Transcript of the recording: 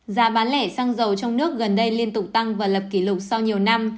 giá bán lẻ xăng dầu trong nước gần đây liên tục tăng và lập kỷ lục sau nhiều năm